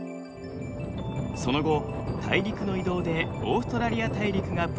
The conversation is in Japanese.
その後大陸の移動でオーストラリア大陸が分裂しました。